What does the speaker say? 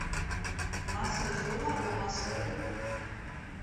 Massa jove o massa vell?